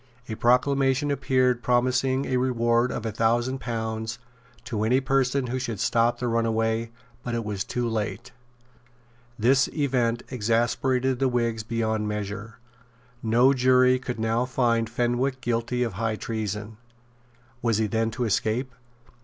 A proclamation appeared promising a reward of a thousand pounds to any person who should stop the runaway; but it was too late. This event exasperated the Whigs beyond measure. No jury could now find Fenwick guilty of high treason. Was he then to escape?